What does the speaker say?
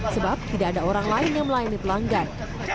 sebab tidak ada orang lain yang melayani pelanggan